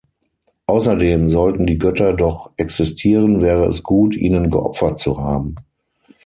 Außerdem: Sollten die Götter doch existieren, wäre es gut, ihnen geopfert zu haben.